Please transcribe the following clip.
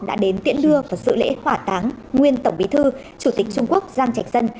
đã đến tiễn đưa và dự lễ hỏa táng nguyên tổng bí thư chủ tịch trung quốc giang trạch dân